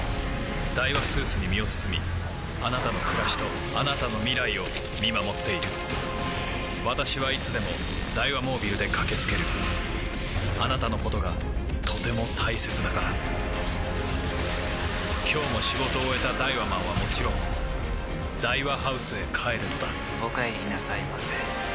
ダイワスーツに身を包みあなたの暮らしとあなたの未来を見守っている私はいつでもダイワモービルで駆け付けるあなたのことがとても大切だから今日も仕事を終えたダイワマンはもちろんダイワハウスへ帰るのだお帰りなさいませ。